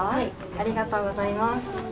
ありがとうございます。